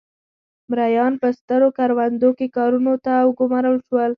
مریان په سترو کروندو کې کارونو ته وګومارل شول.